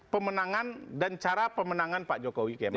pemenangan dan cara pemenangan pak jokowi km a'ruf